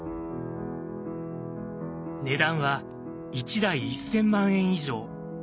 値段は１台１，０００万円以上。